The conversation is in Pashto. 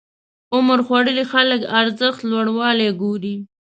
عمرخوړلي خلک ارزښت لوړوالی ګوري.